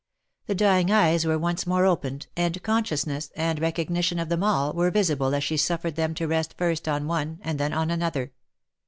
The dying eyes were once more opened, and consciousness, and recognition of them all, were visible as she suffered them to rest first on one, and then on another.